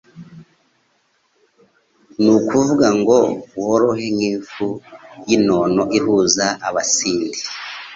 Ni ukuvuga ngo worohe nk'ifu y'inono ihuza Abasindi